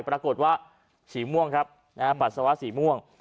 ปรากฏว่าฉี่ม่วงครับปัสสาวะสีม่วง